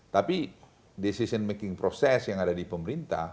tapi decision making process yang ada di pemerintah